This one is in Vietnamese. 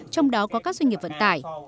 trong đó có các doanh nghiệp vận tải